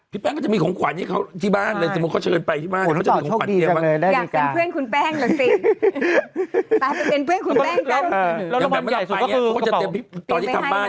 พี่แป้งก็จะมีของขวัญให้เขาที่บ้านหรือสมมติเขาเชิญไปที่บ้าน